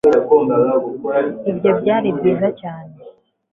ibyo byari byiza cyane